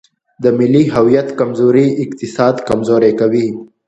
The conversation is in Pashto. د ملي هویت کمزوري اقتصاد کمزوری کوي.